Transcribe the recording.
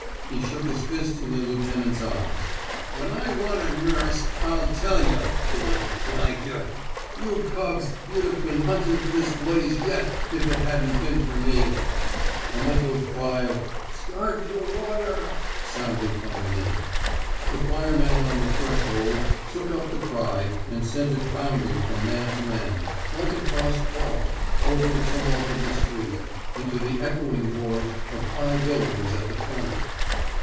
" He shook his fist in the lieutenant's eyes. /* When I want a nurse, I'll tell yuh, yuh. You cubs, yuh'd 've been huntin' fer this blaze yet if it hadn't been fer me." 236 A QUESTION OF EETIEEMENT A muffled cry of Start your water! *' sounded from within. The fireman on the threshold took up the cry and sent it bounding from man to man, like a tossed ball, over the tumult of the street, into the echoing gorge of high build ings at the comer.